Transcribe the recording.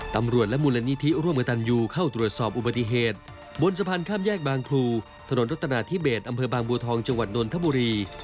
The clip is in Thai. ตำรวจและมูลนิธิร่วมกับตันยูเข้าตรวจสอบอุบัติเหตุบนสะพานข้ามแยกบางครูถนนรัฐนาธิเบสอำเภอบางบัวทองจังหวัดนนทบุรี